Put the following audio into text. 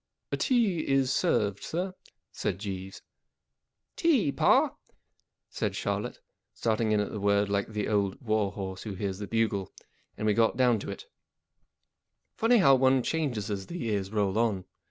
Tea is served, sir,/ said Jeeves* M Tea, pa !" said Charlotte, starting at the word like the old war horse who hears the bugle ; and w r e got down to it* Funny how one changes as the years roll on.